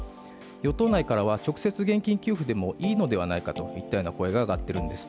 与党内からは直接現金給付でもいいのではないかという声が上がってるんです。